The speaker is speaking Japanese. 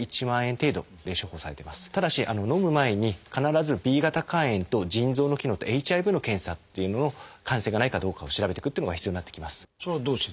ただしのむ前に必ずＢ型肝炎と腎臓の機能とＨＩＶの検査っていうのを感染がないかどうかを調べてくっていうのが必要になってきます。